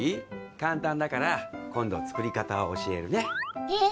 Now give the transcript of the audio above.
簡単だから今度作り方を教えるねえっ